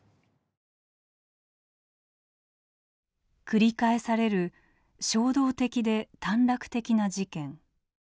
繰り返される衝動的で短絡的な事件。